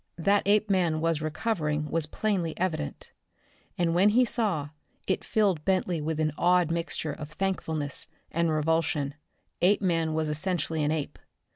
That Apeman was recovering was plainly evident, and when he saw it filled Bentley with an odd mixture of thankfulness and revulsion. Apeman was essentially an ape.